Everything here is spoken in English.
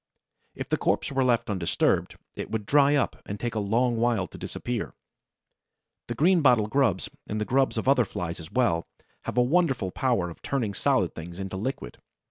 If the corpse were left undisturbed, it would dry up and take a long while to disappear. The Greenbottle grubs, and the grubs of other Flies as well, have a wonderful power of turning solid things into liquid.